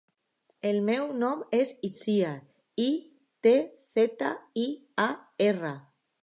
El meu nom és Itziar: i, te, zeta, i, a, erra.